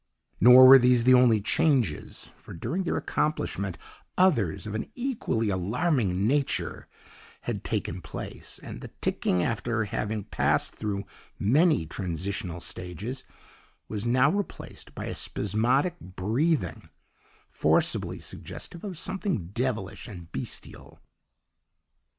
"Nor were these the only changes, for during their accomplishment others of an equally alarming nature had taken place, and the ticking, after having passed through many transitional stages, was now replaced by a spasmodic breathing, forcibly suggestive of something devilish and bestial.